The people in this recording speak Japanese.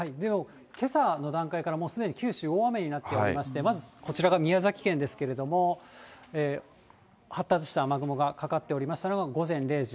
けさの段階からもうすでに九州、大雨になっておりまして、まずこちらが宮崎県ですけれども、発達した雨雲がかかっておりましたのが午前０時。